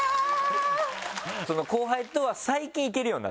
後輩とは最近行けるようになった？